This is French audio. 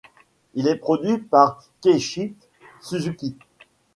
Il est produit par Keiichi Suzuki.